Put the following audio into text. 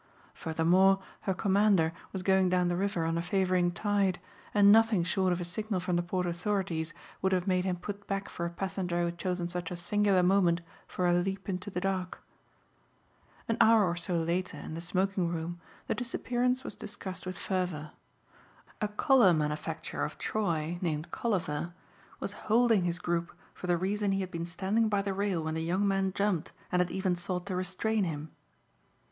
Furthermore her commander was going down the river on a favoring tide and nothing short of a signal from the port authorities would have made him put back for a passenger who had chosen such a singular moment for a leap into the dark. An hour or so later in the smoking room the disappearance was discussed with fervor. A collar manufacturer of Troy, named Colliver, was holding his group for the reason he had been standing by the rail when the young man jumped and had even sought to restrain him.